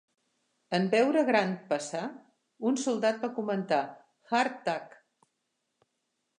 En veure Grant passar, un soldat va comentar: "Hardtack".